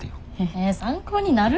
え参考になる？